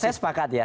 saya sepakat ya